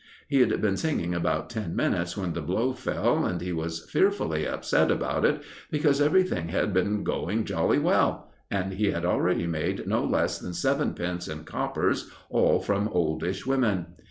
He'd been singing about ten minutes when the blow fell, and he was fearfully upset about it, because everything had been going jolly well, and he had already made no less than sevenpence in coppers, all from oldish women.